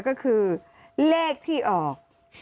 ก็คือเลขที่ออก